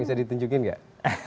bisa ditunjukin gak